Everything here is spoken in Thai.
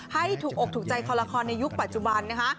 ให้ถูกอกถูกใจคอละครในยุคปัจจุบันนะคะ